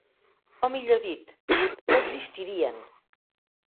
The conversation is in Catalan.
O millor dit, no existirien.